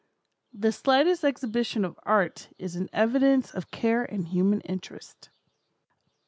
The slightest exhibition of art is an evidence of care and human interest."